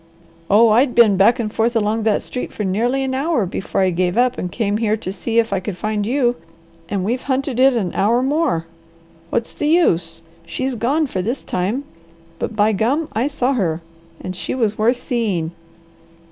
"Oh, I'd been back and forth along that street for nearly an hour before I gave up and came here to see if I could find you, and we've hunted it an hour more! What's the use? She's gone for this time, but by gum, I saw her! And she was worth seeing!"